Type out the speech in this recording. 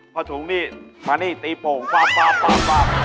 พอถุงนี่มานี่ตีโฟงป้าม